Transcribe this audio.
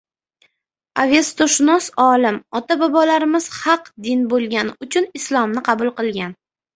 Avestoshunos olim: "Ota-bobolarimiz haq din bo‘lgani uchun Islomni qabul qilgan"